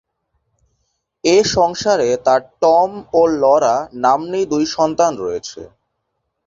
এ সংসারে তার "টম" ও "লরা" নাম্নী দুই সন্তান রয়েছে।